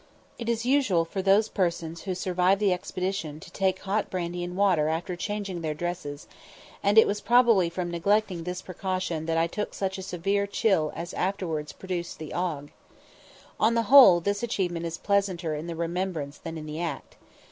It is usual for those persons who survive the expedition to take hot brandy and water after changing their dresses; and it was probably from neglecting this precaution that I took such a severe chill as afterwards produced the ague. On the whole, this achievement is pleasanter in the remembrance than in the act.